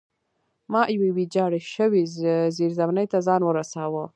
ما یوې ویجاړې شوې زیرزمینۍ ته ځان ورساوه